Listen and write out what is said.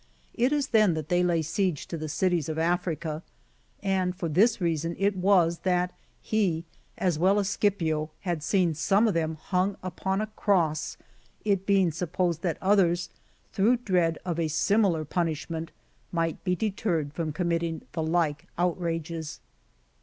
It is then that they lay siege to the cities of Africa; and for this reason it was, that he, as well as Scipio, had seen some of them hung upon a cross ; it being supposed that others, through dread of a similar punishment, ■night be deterred from committing the like outrages.